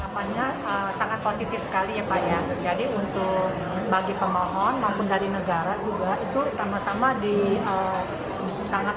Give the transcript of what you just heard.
apanya sangat positif sekali ya pak ya jadi untuk bagi pemohon maupun dari negara juga itu sama sama di sangat